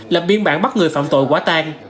lập biên bản bắt người phạm tội quá tan